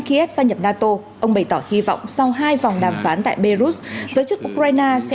kiev gia nhập nato ông bày tỏ hy vọng sau hai vòng đàm phán tại beirut giới chức ukraine sẽ